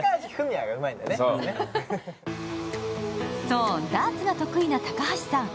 そう、ダーツが得意な高橋さん。